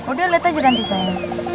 udah lihat aja ganti saya